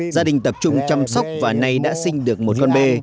gia đình tập trung chăm sóc và nay đã sinh được một con bê